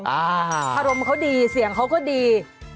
อารมณ์เขาดีเสียงเขาก็ดี